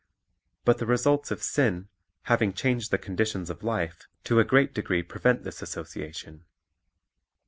But the results of sin, having changed the conditions of life, to a great degree prevent this association.